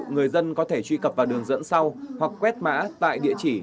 người dân có thể truy cập vào đường dẫn sau hoặc quét mã tại địa chỉ